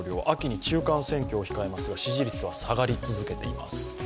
秋に中間選挙を控えますが、支持率は下がり続けています。